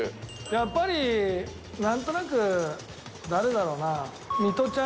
やっぱり何となく誰だろうな。